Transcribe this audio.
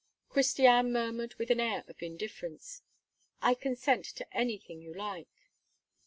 Christiane murmured with an air of indifference: "I consent to anything you like."